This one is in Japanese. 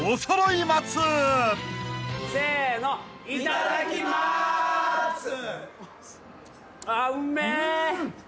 いただきまーつ！